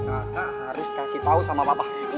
kakak harus kasih tahu sama papa